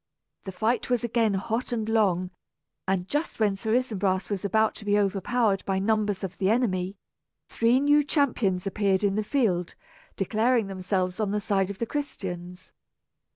The fight was again hot and long, and just when Sir Isumbras was about to be overpowered by numbers of the enemy, three new champions appeared in the field, declaring themselves on the side of the Christians.